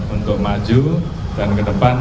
untuk maju dan ke depan